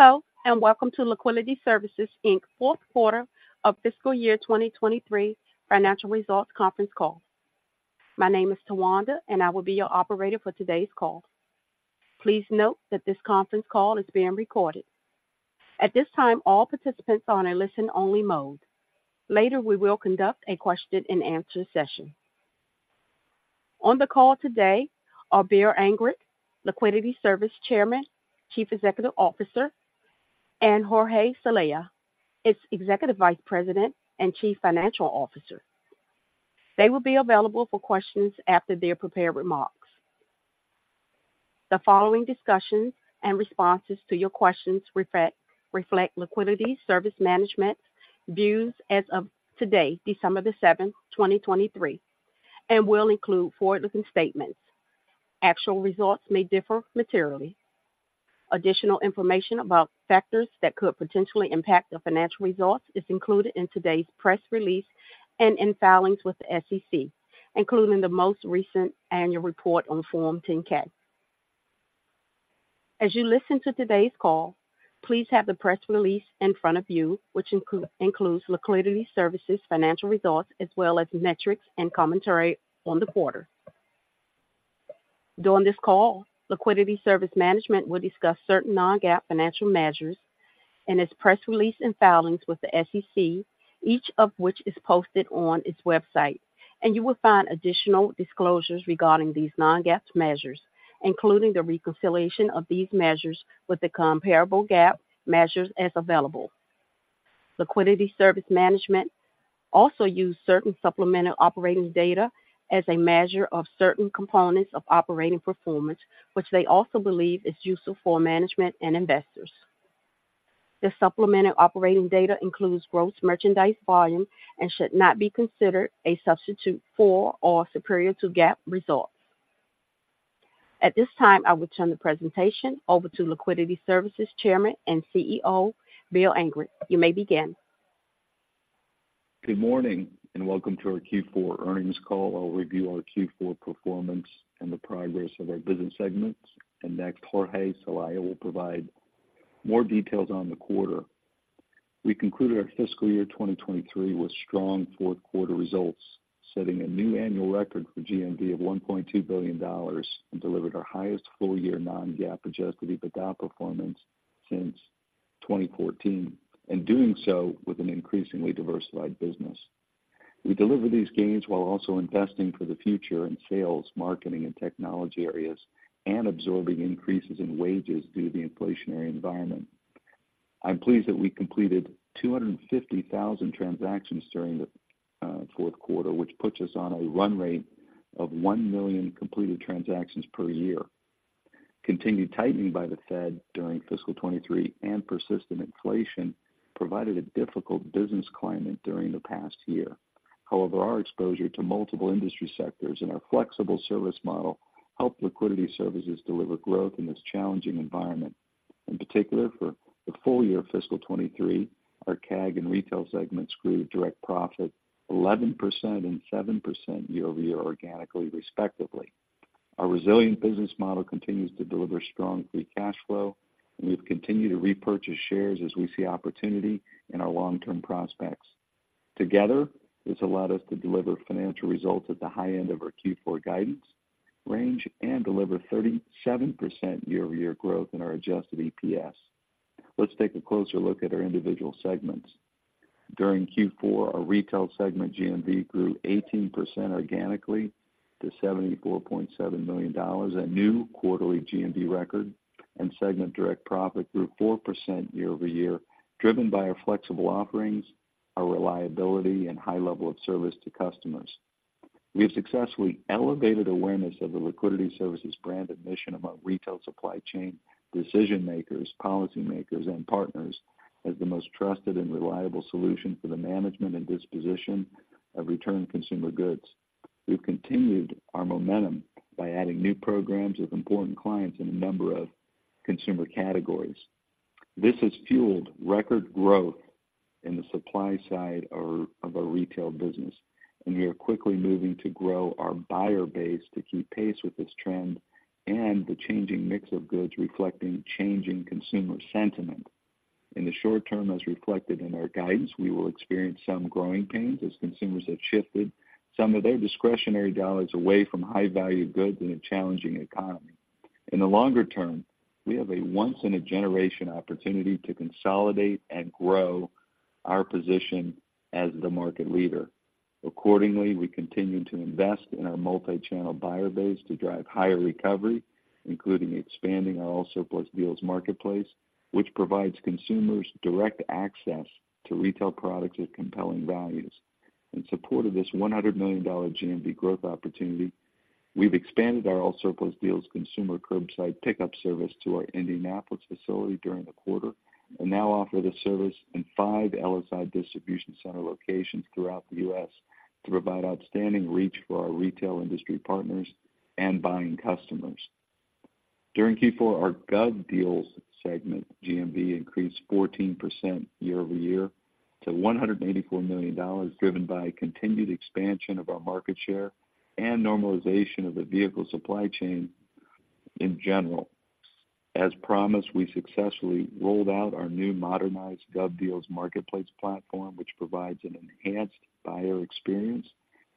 Hello, and welcome to Liquidity Services Q4 of fiscal year 2023 financial results conference call. My name is Tawanda, and I will be your operator for today's call. Please note that this conference call is being recorded. At this time, all participants are on a listen-only mode. Later, we will conduct a question-and-answer session. On the call today are Will Angrick, Liquidity Services Chairman, Chief Executive Officer, and Jorge Celaya, its Executive Vice President and Chief Financial Officer. They will be available for questions after their prepared remarks. The following discussions and responses to your questions reflect Liquidity Services management views as of today, December 7, 2023, and will include forward-looking statements. Actual results may differ materially. Additional information about factors that could potentially impact the financial results is included in today's press release and in filings with the SEC, including the most recent annual report on Form 10-K. As you listen to today's call, please have the press release in front of you, which includes Liquidity Services financial results, as well as metrics and commentary on the quarter. During this call, Liquidity Services management will discuss certain non-GAAP financial measures in its press release and filings with the SEC, each of which is posted on its website, and you will find additional disclosures regarding these non-GAAP measures, including the reconciliation of these measures with the comparable GAAP measures as available. Liquidity Services management also use certain supplemental operating data as a measure of certain components of operating performance, which they also believe is useful for management and investors. The supplemental operating data includes gross merchandise volume and should not be considered a substitute for or superior to GAAP results. At this time, I will turn the presentation over to Liquidity Services Chairman and CEO, Will Angrick. You may begin. Good morning, and welcome to our Q4 earnings call. I'll review our Q4 performance and the progress of our business segments, and next, Jorge Celaya will provide more details on the quarter. We concluded our fiscal year 2023 with strong Q4 results, setting a new annual record for GMV of $1.2 billion and delivered our highest full-year non-GAAP adjusted EBITDA performance since 2014, and doing so with an increasingly diversified business. We delivered these gains while also investing for the future in sales, marketing and technology areas, and absorbing increases in wages due to the inflationary environment. I'm pleased that we completed 250,000 transactions during the Q4, which puts us on a run rate of 1 million completed transactions per year. Continued tightening by the Fed during fiscal 2023 and persistent inflation provided a difficult business climate during the past year. However, our exposure to multiple industry sectors and our flexible service model helped Liquidity Services deliver growth in this challenging environment. In particular, for the full year of fiscal 2023, our CAG and retail segments grew direct profit 11% and 7% year-over-year organically, respectively. Our resilient business model continues to deliver strong free cash flow, and we've continued to repurchase shares as we see opportunity in our long-term prospects. Together, this allowed us to deliver financial results at the high end of our Q4 guidance range and deliver 37% year-over-year growth in our adjusted EPS. Let's take a closer look at our individual segments. During Q4, our retail segment GMV grew 18% organically to $74.7 million, a new quarterly GMV record, and segment direct profit grew 4% year-over-year, driven by our flexible offerings, our reliability, and high level of service to customers. We have successfully elevated awareness of the Liquidity Services brand and mission among retail supply chain decision makers, policy makers, and partners as the most trusted and reliable solution for the management and disposition of returned consumer goods. We've continued our momentum by adding new programs with important clients in a number of consumer categories. This has fueled record growth in the supply side of our retail business, and we are quickly moving to grow our buyer base to keep pace with this trend and the changing mix of goods reflecting changing consumer sentiment. In the short term, as reflected in our guidance, we will experience some growing pains as consumers have shifted some of their discretionary dollars away from high-value goods in a challenging economy. In the longer term, we have a once-in-a-generation opportunity to consolidate and grow our position as the market leader. Accordingly, we continue to invest in our multi-channel buyer base to drive higher recovery, including expanding our AllSurplus Deals marketplace, which provides consumers direct access to retail products at compelling values. In support of this $100 million GMV growth opportunity, we've expanded our AllSurplus Deals consumer curbside pickup service to our Indianapolis facility during the quarter and now offer this service in five LSI distribution center locations throughout the U.S. to provide outstanding reach for our retail industry partners and buying customers. During Q4, our GovDeals segment GMV increased 14% year-over-year. to $184 million, driven by continued expansion of our market share and normalization of the vehicle supply chain in general. As promised, we successfully rolled out our new modernized GovDeals marketplace platform, which provides an enhanced buyer experience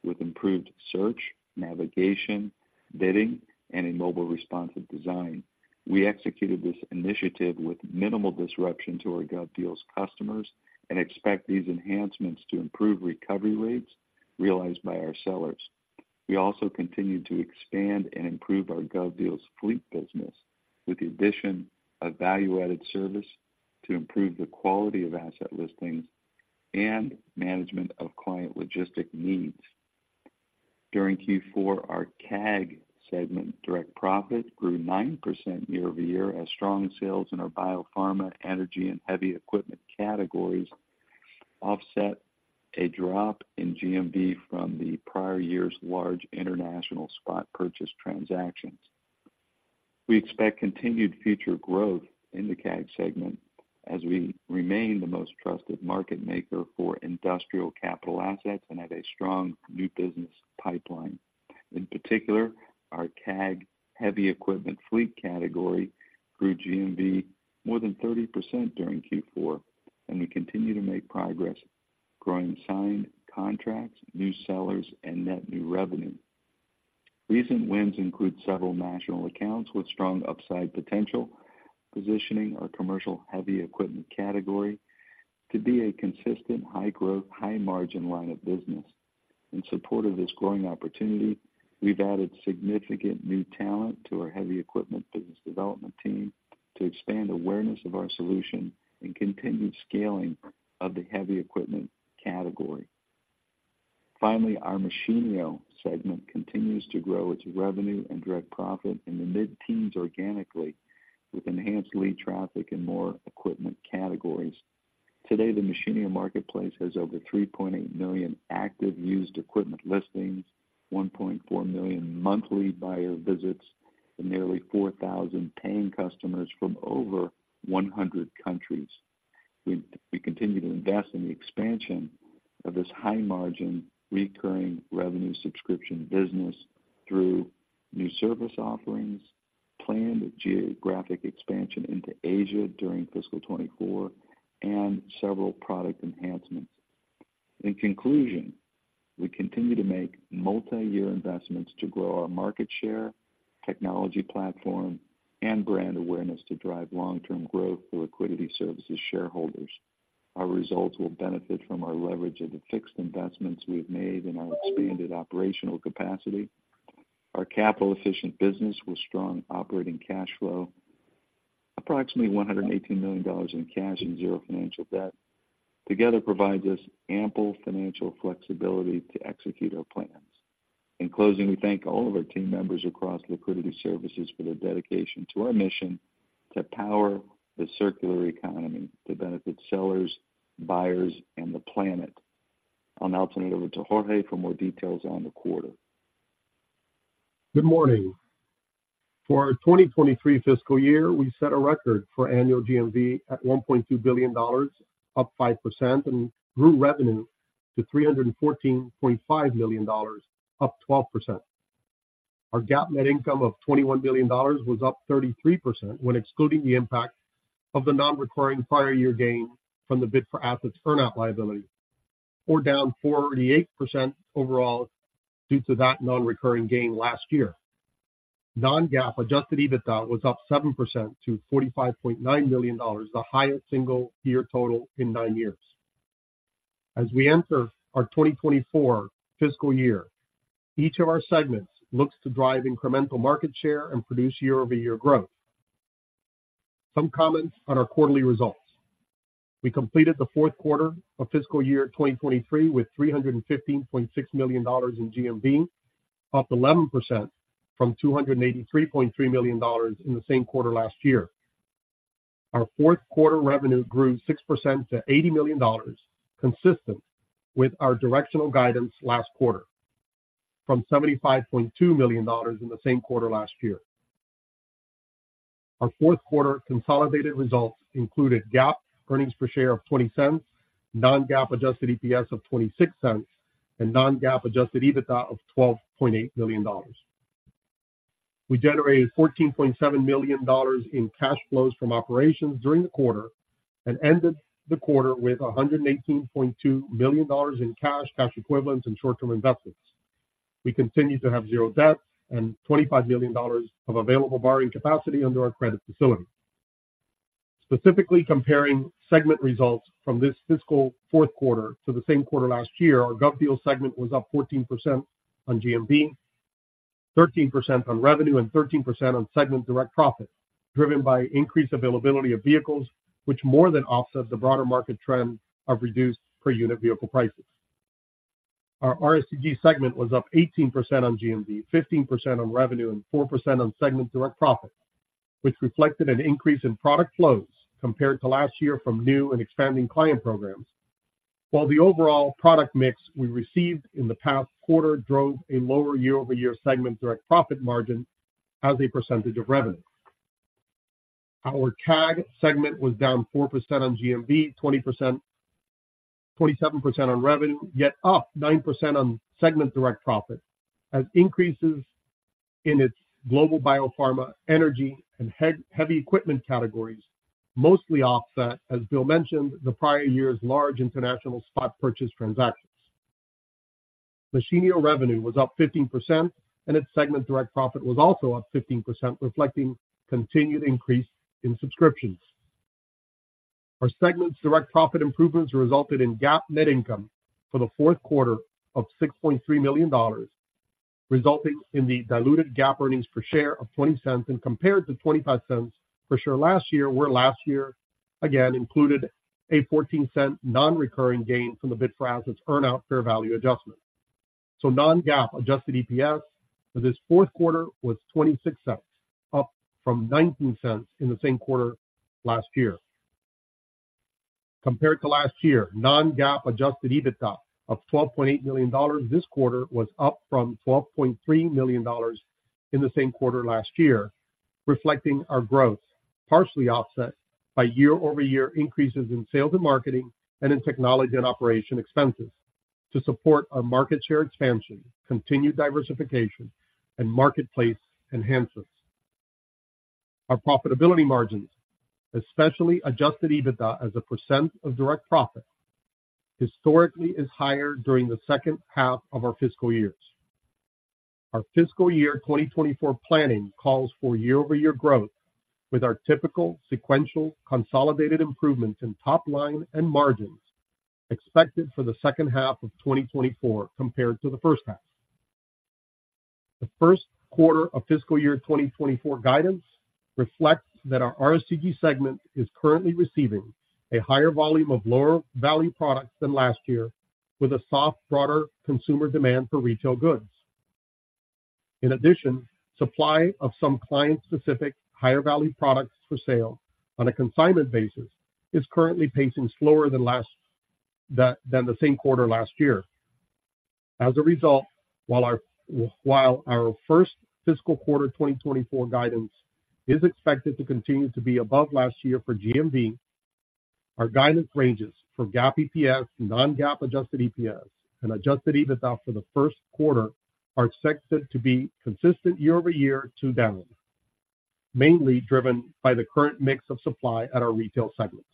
with improved search, navigation, bidding, and a mobile responsive design. We executed this initiative with minimal disruption to our GovDeals customers and expect these enhancements to improve recovery rates realized by our sellers. We also continued to expand and improve our GovDeals fleet business, with the addition of value-added service to improve the quality of asset listings and management of client logistic needs. During Q4, our CAG segment direct profit grew 9% year-over-year, as strong sales in our biopharma, energy, and heavy equipment categories offset a drop in GMV from the prior year's large international spot purchase transactions. We expect continued future growth in the CAG segment as we remain the most trusted market maker for industrial capital assets and have a strong new business pipeline. In particular, our CAG heavy equipment fleet category grew GMV more than 30% during Q4, and we continue to make progress growing signed contracts, new sellers, and net new revenue. Recent wins include several national accounts with strong upside potential, positioning our commercial heavy equipment category to be a consistent, high-growth, high-margin line of business. In support of this growing opportunity, we've added significant new talent to our heavy equipment business development team to expand awareness of our solution and continued scaling of the heavy equipment category. Finally, our Machinery segment continues to grow its revenue and direct profit in the mid-teens organically, with enhanced lead traffic and more equipment categories. Today, the Machinio marketplace has over 3.8 million active used equipment listings, 1.4 million monthly buyer visits, and nearly 4,000 paying customers from over 100 countries. We continue to invest in the expansion of this high-margin, recurring revenue subscription business through new service offerings, planned geographic expansion into Asia during fiscal 2024, and several product enhancements. In conclusion, we continue to make multiyear investments to grow our market share, technology platform, and brand awareness to drive long-term growth for Liquidity Services shareholders. Our results will benefit from our leverage of the fixed investments we have made in our expanded operational capacity. Our capital-efficient business with strong operating cash flow, approximately $118 million in cash and 0 financial debt, together provides us ample financial flexibility to execute our plans. In closing, we thank all of our team members across Liquidity Services for their dedication to our mission to power the circular economy, to benefit sellers, buyers, and the planet. I'll now turn it over to Jorge for more details on the quarter. Good morning. For our 2023 fiscal year, we set a record for annual GMV at $1.2 billion, up 5%, and grew revenue to $314.5 million, up 12%. Our GAAP net income of $21 million was up 33% when excluding the impact of the non-recurring prior year gain from the Bid4Assets earnout liability, or down 48% overall due to that non-recurring gain last year. Non-GAAP adjusted EBITDA was up 7% to $45.9 million, the highest single year total in nine years. As we enter our 2024 fiscal year, each of our segments looks to drive incremental market share and produce year-over-year growth. Some comments on our quarterly results. We completed the Q4 of fiscal year 2023, with $315.6 million in GMV, up 11% from $283.3 million in the same quarter last year. Our Q4 revenue grew 6% to $80 million, consistent with our directional guidance last quarter, from $75.2 million in the same quarter last year. Our Q4 consolidated results included GAAP earnings per share of $0.20, non-GAAP adjusted EPS of $0.26, and non-GAAP adjusted EBITDA of $12.8 million. We generated $14.7 million in cash flows from operations during the quarter and ended the quarter with $118.2 million in cash, cash equivalents, and short-term investments. We continue to have zero debt and $25 million of available borrowing capacity under our credit facility. Specifically, comparing segment results from this fiscal Q4 to the same quarter last year, our GovDeals segment was up 14% on GMV, 13% on revenue, and 13% on segment direct profit, driven by increased availability of vehicles, which more than offset the broader market trend of reduced per-unit vehicle prices. Our RSCG segment was up 18% on GMV, 15% on revenue, and 4% on segment direct profit, which reflected an increase in product flows compared to last year from new and expanding client programs. While the overall product mix we received in the past quarter drove a lower year-over-year segment direct profit margin as a percentage of revenue.... Our CAG segment was down 4% on GMV, 20%-47% on revenue, yet up 9% on segment direct profit, as increases in its global biopharma, energy, and heavy equipment categories mostly offset, as Will mentioned, the prior year's large international spot purchase transactions. Machinio revenue was up 15%, and its segment direct profit was also up 15%, reflecting continued increase in subscriptions. Our segment's direct profit improvements resulted in GAAP net income for the Q4 of $6.3 million, resulting in the diluted GAAP earnings per share of $0.20 and compared to $0.25 per share last year, where last year, again, included a $0.14 nonrecurring gain from the Bid4Assets earn out fair value adjustment. Non-GAAP adjusted EPS for this Q4 was $0.26, up from $0.19 in the same quarter last year. Compared to last year, non-GAAP adjusted EBITDA of $12.8 million this quarter was up from $12.3 million in the same quarter last year, reflecting our growth, partially offset by year-over-year increases in sales and marketing and in technology and operation expenses to support our market share expansion, continued diversification, and marketplace enhancements. Our profitability margins, especially adjusted EBITDA as a percent of direct profit, historically is higher during the H2 of our fiscal years. Our fiscal year 2024 planning calls for year-over-year growth with our typical sequential consolidated improvements in top line and margins expected for the H2 of 2024 compared to the H1. The Q1 of fiscal year 2024 guidance reflects that our RSCG segment is currently receiving a higher volume of lower value products than last year, with a soft, broader consumer demand for retail goods. In addition, supply of some client-specific higher value products for sale on a consignment basis is currently pacing slower than the same quarter last year. As a result, while our first fiscal quarter 2024 guidance is expected to continue to be above last year for GMV, our guidance ranges for GAAP EPS, non-GAAP adjusted EPS, and adjusted EBITDA for the Q1 are expected to be consistent year-over-year to down, mainly driven by the current mix of supply at our retail segments.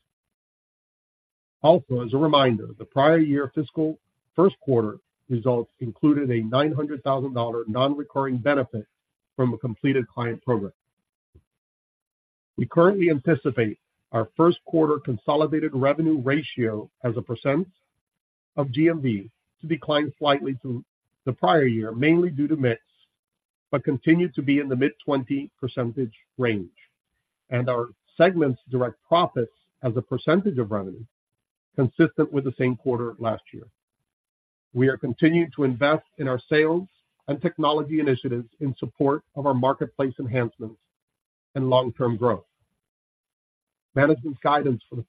Also, as a reminder, the prior year fiscal Q1 results included a $900,000 nonrecurring benefit from a completed client program. We currently anticipate our Q1 consolidated revenue ratio as a percent of GMV to decline slightly from the prior year, mainly due to mix, but continue to be in the mid-20% range, and our segment's direct profits as a percentage of revenue, consistent with the same quarter last year. We are continuing to invest in our sales and technology initiatives in support of our marketplace enhancements and long-term growth. Management guidance for the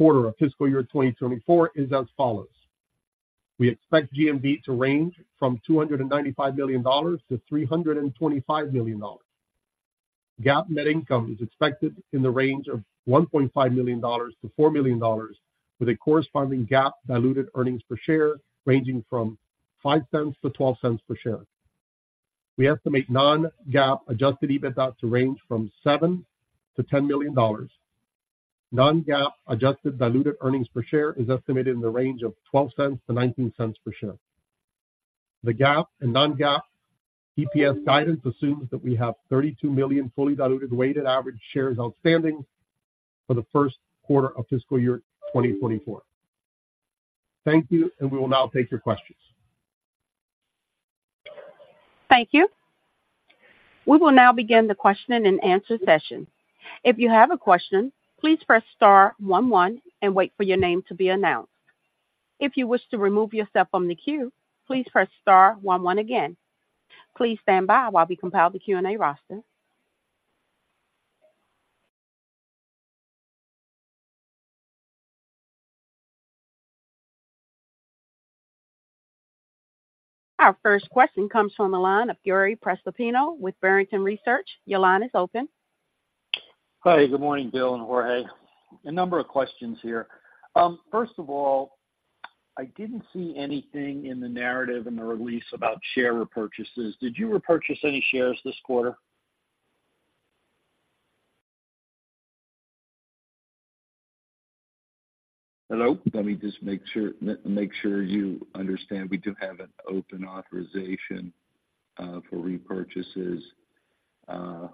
Q1 of fiscal year 2024 is as follows: We expect GMV to range from $295 million-$325 million. GAAP net income is expected in the range of $1.5 million-$4 million, with a corresponding GAAP diluted earnings per share ranging from $0.05-$0.12 per share. We estimate non-GAAP adjusted EBITDA to range from $7-10 million. Non-GAAP adjusted diluted earnings per share is estimated in the range of $0.12-$0.19 per share. The GAAP and non-GAAP EPS guidance assumes that we have 32 million fully diluted weighted average shares outstanding for the Q1 of fiscal year 2024. Thank you, and we will now take your questions. Thank you. We will now begin the question and answer session. If you have a question, please press star one, one, and wait for your name to be announced. If you wish to remove yourself from the queue, please press star one, one again. Please stand by while we compile the Q&A roster. Our first question comes from the line of Gary Prestopino with Barrington Research. Your line is open. Hi, good morning, Will and Jorge. A number of questions here. First of all, I didn't see anything in the narrative in the release about share repurchases. Did you repurchase any shares this quarter? Hello? Let me just make sure you understand. We do have an open authorization for repurchases.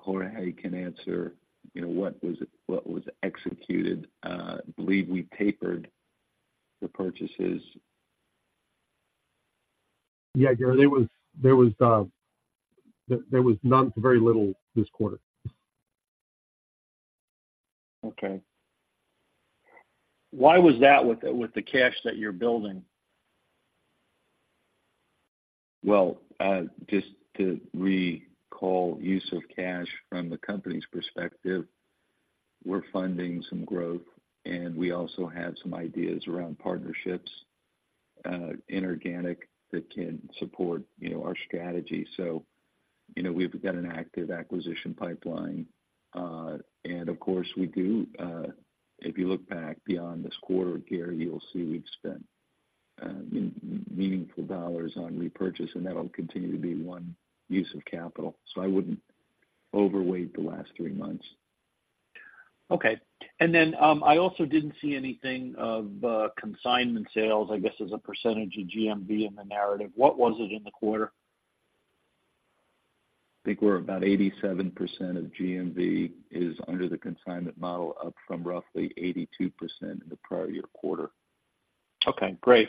Jorge can answer, you know, what was executed. I believe we tapered the purchases. Yeah, Gary, there was none to very little this quarter. Okay. Why was that with the cash that you're building? Well, just to recall use of cash from the company's perspective, we're funding some growth, and we also have some ideas around partnerships.... inorganic that can support, you know, our strategy. So, you know, we've got an active acquisition pipeline. And of course, we do, if you look back beyond this quarter, Gary, you'll see we've spent meaningful dollars on repurchase, and that'll continue to be one use of capital. So I wouldn't overweight the last three months. Okay. Then, I also didn't see anything of consignment sales, I guess, as a percentage of GMV in the narrative. What was it in the quarter? I think we're about 87% of GMV is under the consignment model, up from roughly 82% in the prior year quarter. Okay, great.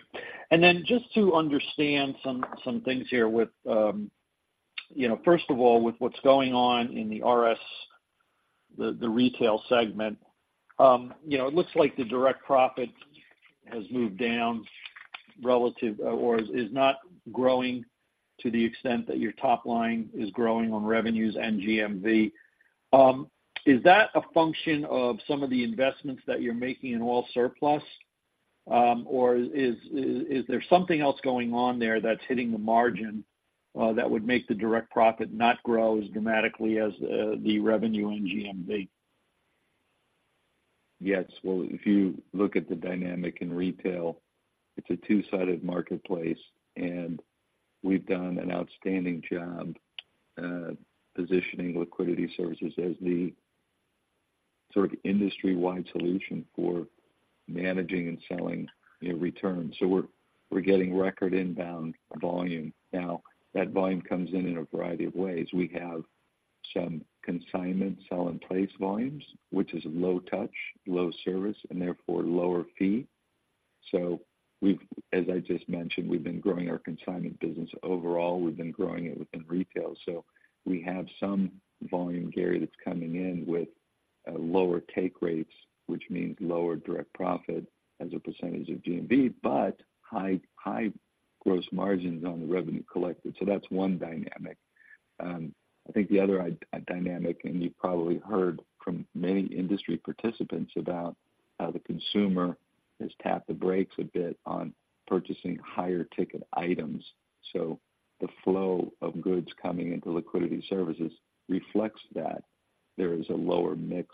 Then just to understand some things here with, you know, first of all, with what's going on in the RSCG, the retail segment, you know, it looks like the direct profit has moved down relative or is not growing to the extent that your top line is growing on revenues and GMV. Is that a function of some of the investments that you're making in AllSurplus? Or is there something else going on there that's hitting the margin, that would make the direct profit not grow as dramatically as the revenue in GMV? Yes. Well, if you look at the dynamic in retail, it's a two-sided marketplace, and we've done an outstanding job positioning Liquidity Services as the sort of industry-wide solution for managing and selling, you know, returns. So we're getting record inbound volume. Now, that volume comes in a variety of ways. We have some consignment sell-in-place volumes, which is low touch, low service, and therefore, lower fee. So we've, as I just mentioned, been growing our consignment business. Overall, we've been growing it within retail, so we have some volume, Gary, that's coming in with lower take rates, which means lower direct profit as a percentage of GMV, but high, high gross margins on the revenue collected. So that's one dynamic. I think the other dynamic, and you've probably heard from many industry participants about how the consumer has tapped the brakes a bit on purchasing higher ticket items. So the flow of goods coming into Liquidity Services reflects that. There is a lower mix,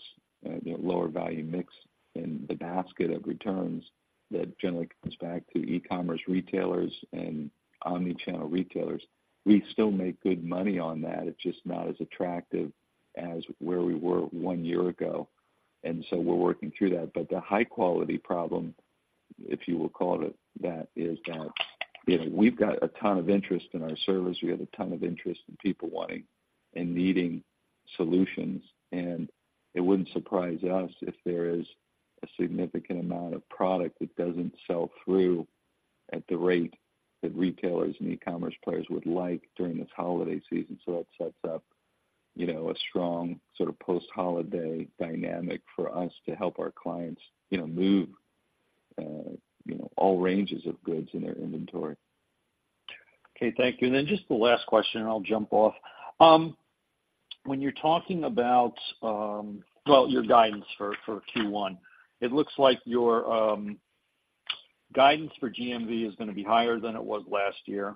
you know, lower value mix in the basket of returns that generally comes back to e-commerce retailers and omni-channel retailers. We still make good money on that. It's just not as attractive as where we were one year ago, and so we're working through that. But the high quality problem, if you will call it that, is that, you know, we've got a ton of interest in our service. We have a ton of interest in people wanting and needing solutions, and it wouldn't surprise us if there is a significant amount of product that doesn't sell through at the rate that retailers and e-commerce players would like during this holiday season. So that sets up, you know, a strong sort of post-holiday dynamic for us to help our clients, you know, move, you know, all ranges of goods in their inventory. Okay, thank you. And then just the last question, and I'll jump off. When you're talking about, well, your guidance for Q1, it looks like your guidance for GMV is gonna be higher than it was last year,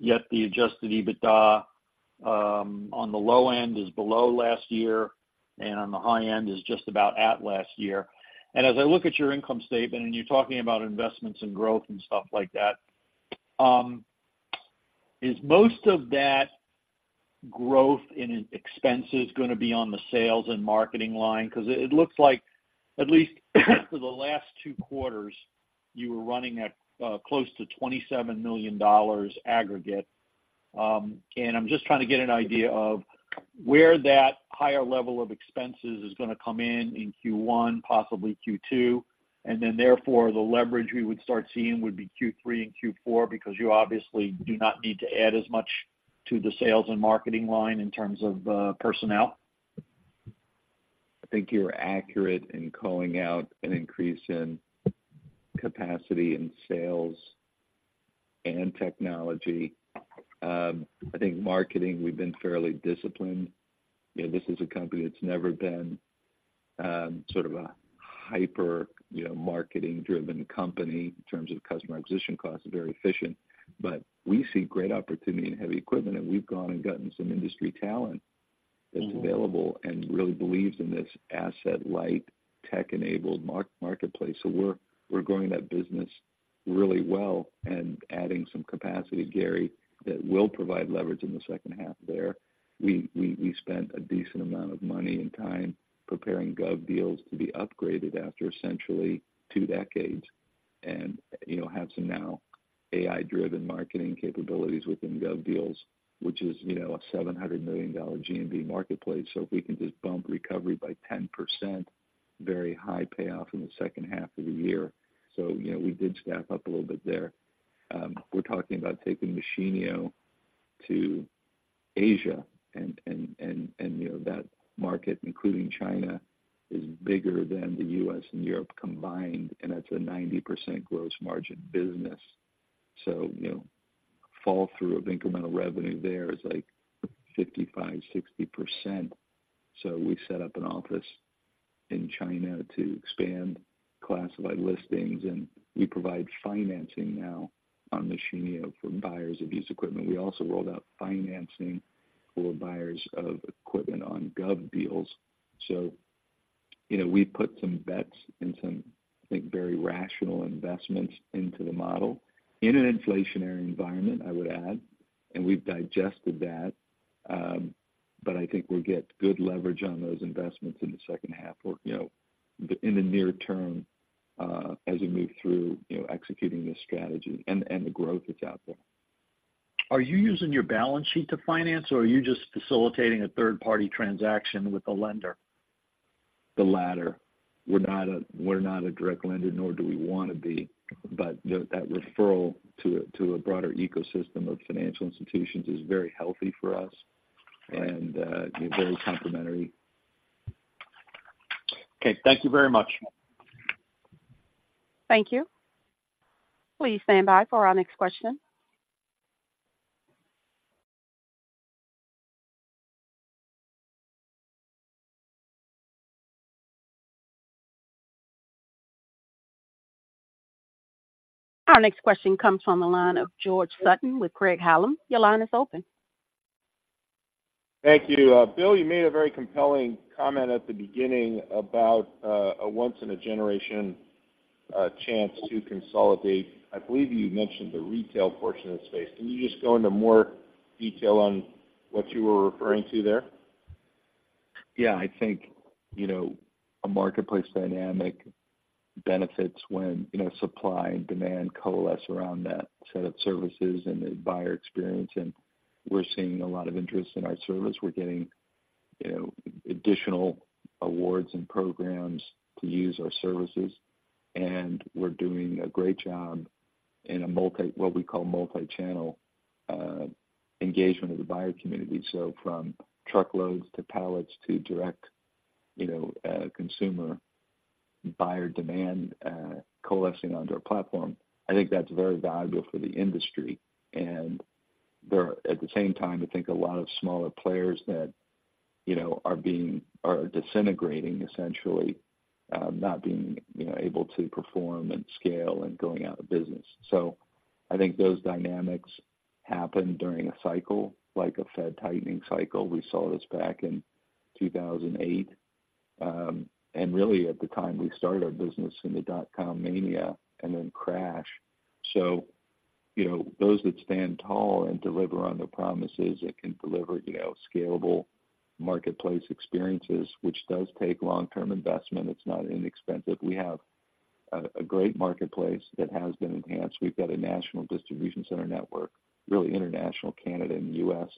yet the Adjusted EBITDA on the low end is below last year, and on the high end is just about at last year. And as I look at your income statement, and you're talking about investments and growth and stuff like that, is most of that growth in expenses gonna be on the sales and marketing line? Because it looks like at least for the last two quarters, you were running at close to $27 million aggregate. I'm just trying to get an idea of where that higher level of expenses is gonna come in in Q1, possibly Q2, and then therefore, the leverage we would start seeing would be Q3 and Q4, because you obviously do not need to add as much to the sales and marketing line in terms of personnel. I think you're accurate in calling out an increase in capacity in sales and technology. I think marketing, we've been fairly disciplined. You know, this is a company that's never been sort of a hyper, you know, marketing-driven company in terms of customer acquisition costs, very efficient. But we see great opportunity in heavy equipment, and we've gone and gotten some industry talent- Mm-hmm. -that's available and really believes in this asset-light, tech-enabled marketplace. So we're growing that business really well and adding some capacity, Gary, that will provide leverage in the H2 there. We spent a decent amount of money and time preparing GovDeals to be upgraded after essentially two decades and, you know, have some now AI-driven marketing capabilities within GovDeals, which is, you know, a $700 million GMV marketplace. So if we can just bump recovery by 10%, very high payoff in the H2 of the year. So, you know, we did staff up a little bit there. We're talking about taking Machinio to Asia and, you know, that market, including China, is bigger than the US and Europe combined, and that's a 90% gross margin business. So, you know-... fall through of incremental revenue there is like 55%-60%. So we set up an office in China to expand classified listings, and we provide financing now on Machinio for buyers of used equipment. We also rolled out financing for buyers of equipment on GovDeals. So, you know, we put some bets and some, I think, very rational investments into the model in an inflationary environment, I would add, and we've digested that. But I think we'll get good leverage on those investments in the H2 or, you know, the, in the near term, as we move through, you know, executing this strategy and, and the growth that's out there. Are you using your balance sheet to finance, or are you just facilitating a third-party transaction with the lender? The latter. We're not a direct lender, nor do we want to be, but that referral to a broader ecosystem of financial institutions is very healthy for us and very complementary. Okay. Thank you very much. Thank you. Please stand by for our next question. Our next question comes from the line of George Sutton with Craig-Hallum. Your line is open. Thank you. Will, you made a very compelling comment at the beginning about a once-in-a-generation chance to consolidate. I believe you mentioned the retail portion of the space. Can you just go into more detail on what you were referring to there? Yeah, I think, you know, a marketplace dynamic benefits when, you know, supply and demand coalesce around that set of services and the buyer experience, and we're seeing a lot of interest in our service. We're getting, you know, additional awards and programs to use our services, and we're doing a great job in a multi- what we call multi-channel engagement of the buyer community. So from truckloads to pallets to direct, you know, consumer buyer demand coalescing onto our platform, I think that's very valuable for the industry. And there are, at the same time, I think a lot of smaller players that, you know, are disintegrating essentially, not being, you know, able to perform and scale and going out of business. So I think those dynamics happen during a cycle, like a Fed tightening cycle. We saw this back in 2008, and really at the time we started our business in the dot-com mania and then crash. So, you know, those that stand tall and deliver on their promises and can deliver, you know, scalable marketplace experiences, which does take long-term investment, it's not inexpensive. We have a great marketplace that has been enhanced. We've got a national distribution center network, really international, Canada and U.S.,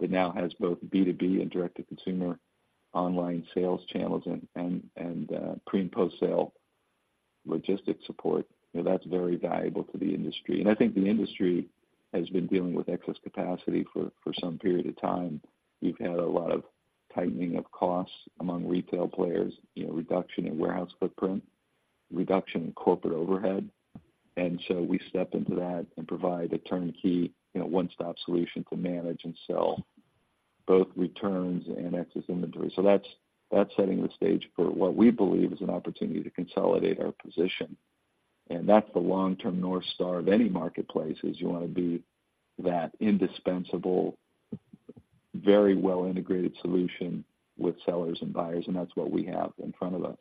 that now has both B2B and direct-to-consumer online sales channels and pre- and post-sale logistics support. You know, that's very valuable to the industry. And I think the industry has been dealing with excess capacity for some period of time. We've had a lot of tightening of costs among retail players, you know, reduction in warehouse footprint, reduction in corporate overhead. And so we step into that and provide a turnkey, you know, one-stop solution to manage and sell both returns and excess inventory. So that's, that's setting the stage for what we believe is an opportunity to consolidate our position, and that's the long-term north star of any marketplace, is you want to be that indispensable, very well-integrated solution with sellers and buyers, and that's what we have in front of us.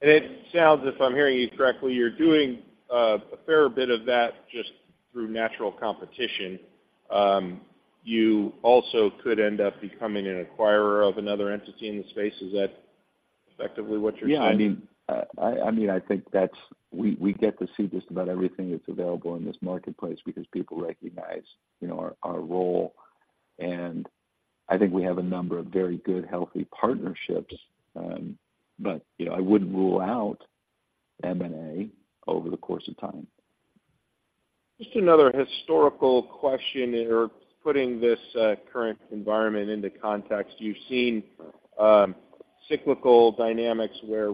It sounds, if I'm hearing you correctly, you're doing a fair bit of that just through natural competition. You also could end up becoming an acquirer of another entity in the space. Is that effectively what you're saying? Yeah, I mean, I think that's. We get to see just about everything that's available in this marketplace because people recognize, you know, our role, and I think we have a number of very good, healthy partnerships. But, you know, I wouldn't rule out M&A over the course of time. Just another historical question or putting this, current environment into context. You've seen, cyclical dynamics where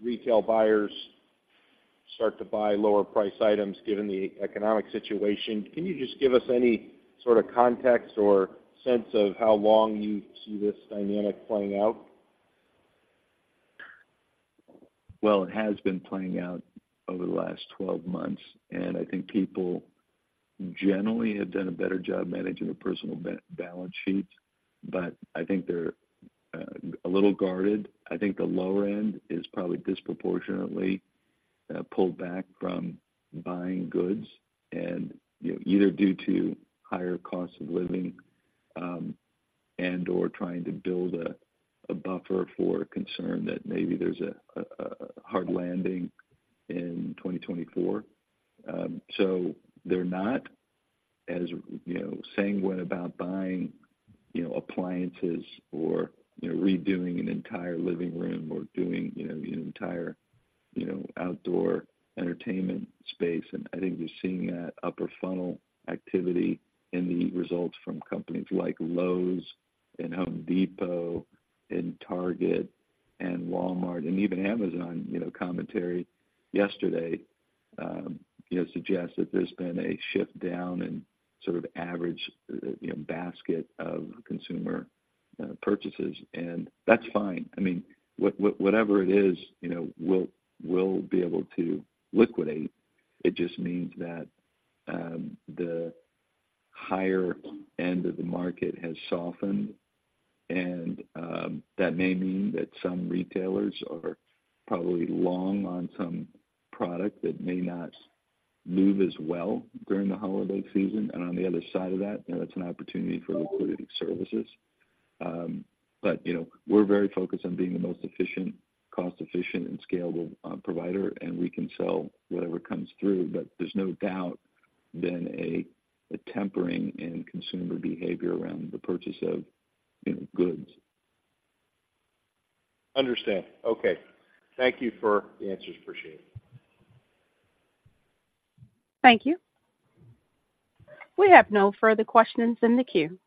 retail buyers start to buy lower priced items given the economic situation. Can you just give us any sort of context or sense of how long you see this dynamic playing out? Well, it has been playing out over the last 12 months, and I think people generally have done a better job managing their personal balance sheets, but I think they're a little guarded. I think the lower end is probably disproportionately pulled back from buying goods and, you know, either due to higher costs of living and/or trying to build a buffer for concern that maybe there's a hard landing in 2024. So they're not as, you know, sanguine about buying, you know, appliances or, you know, redoing an entire living room or doing, you know, an entire, you know, outdoor entertainment space. And I think you're seeing that upper funnel activity in the results from companies like Lowe's and Home Depot and Target and Walmart, and even Amazon. You know, commentary yesterday suggests that there's been a shift down in sort of average basket of consumer purchases, and that's fine. I mean, whatever it is, you know, we'll be able to liquidate. It just means that the higher end of the market has softened, and that may mean that some retailers are probably long on some product that may not move as well during the holiday season. And on the other side of that, you know, that's an opportunity for Liquidity Services. But you know, we're very focused on being the most efficient, cost-efficient and scalable provider, and we can sell whatever comes through. But there's no doubt been a tempering in consumer behavior around the purchase of, you know, goods. Understand. Okay. Thank you for the answers. Appreciate it. Thank you. We have no further questions in the queue.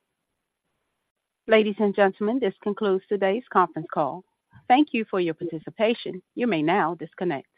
Ladies and gentlemen, this concludes today's conference call. Thank you for your participation. You may now disconnect.